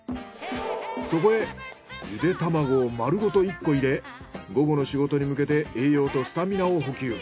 そこへゆで玉子を丸ごと１個入れ午後の仕事に向けて栄養とスタミナを補給。